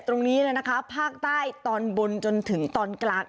ตรงนี้เลยนะคะภาคใต้ตอนบนจนถึงตอนกลาง